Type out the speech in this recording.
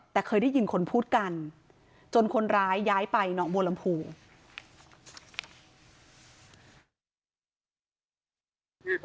แต่เคยได้ยินคนพูดกันจนคนร้ายย้ายไปหนองบัวลำพู